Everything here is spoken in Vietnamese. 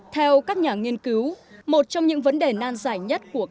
theo các nhà nghiên cứu một trong những vấn đề nan giải nhất của công trình là